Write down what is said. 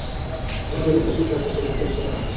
তিনি ফেলিক্সের চিত্কার শুনতে শুনতে নিচে নেমে আসেন।